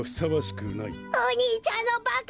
「おにいちゃんのバカ！